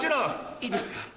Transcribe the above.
いいですか。